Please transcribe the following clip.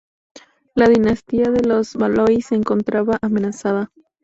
La dinastía de los Valois se encontraba amenazada.